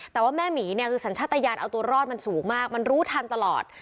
แต่ว่าแม่หมีเนี่ยคือสัญชาติยานเอาตัวรอดมันสูงมากมันรู้ทันตลอด